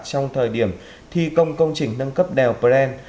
trong thời điểm thi công công trình nâng cấp đèo pren